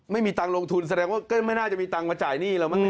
ไม่มีตังค์ลงทุนแสดงว่าไม่น่าจะมีตังค์มาจ่ายหนี้เรามากเลยค่ะ